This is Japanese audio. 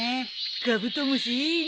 カブトムシいいな。